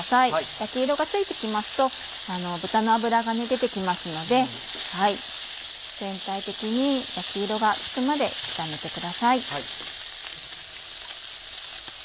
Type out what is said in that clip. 焼き色がついて来ますと豚の脂が出て来ますので全体的に焼き色がつくまで炒めてください。